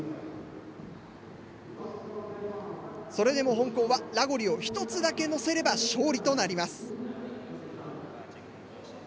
それでも香港はラゴリを１つだけのせれば勝利となります。